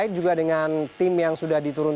kita akan menjalankan penanganan dbd secara keseluruhan